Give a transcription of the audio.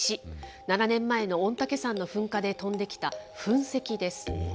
７年前の御嶽山の噴火で飛んできた噴石です。